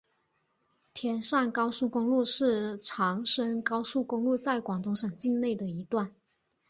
天汕高速公路是长深高速公路在广东省境内的一段。